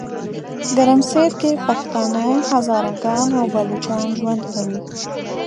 ګرمسیرکې پښتانه، هزاره ګان او بلوچان ژوند کوي.